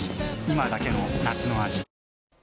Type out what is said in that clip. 今だけの夏の味